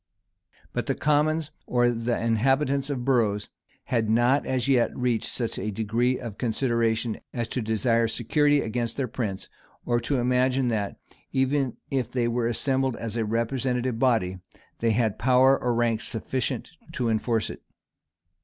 But the commons, or the inhabitants of boroughs, had not as yet reached such a degree of consideration, as to desire security against their prince, or to imagine that, even if they were assembled in a representative body, they had power or rank sufficient to enforce it.